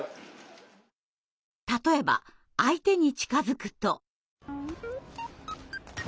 例えば相手に近づくと。